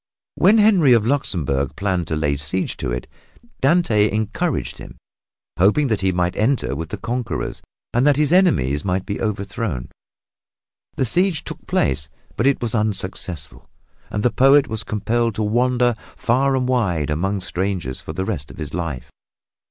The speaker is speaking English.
When Henry of Luxembourg planned to lay siege to it, Dante encouraged him, hoping that he might enter with the conquerors and that his enemies might be overthrown. The siege took place, but it was unsuccessful, and the poet was compelled to wander far and wide among strangers for the rest of his life.